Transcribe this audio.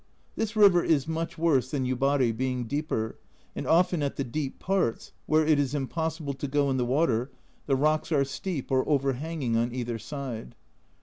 This river is much worse than Yubari, being deeper, and often at the deep parts, where it is impossible to go in the water, the rocks are steep or overhanging on either side.